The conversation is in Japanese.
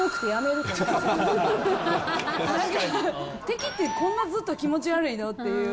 敵ってこんなずっと気持ち悪いの？っていう。